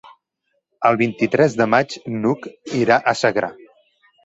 El vint-i-tres de maig n'Hug irà a Sagra.